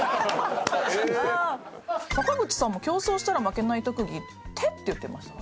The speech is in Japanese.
坂口さんも競争したら負けない特技手って言ってました？